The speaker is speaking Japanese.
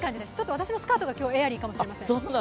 私のスカートがエアリーかもしれません。